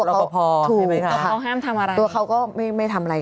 เพราะว่าตัวก็ถูกตัวเขาก็ไม่ทำอะไร